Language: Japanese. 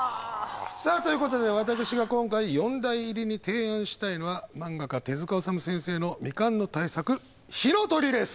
さあということで私が今回四大入りに提案したいのは漫画家手治虫先生の未完の大作「火の鳥」です！